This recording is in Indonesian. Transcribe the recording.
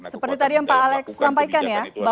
seperti tadi yang pak alex sampaikan ya